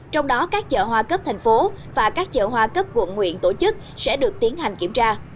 trong đó các chợ hoa cấp thành phố và các chợ hoa cấp quận nguyện tổ chức sẽ được tiến hành kiểm tra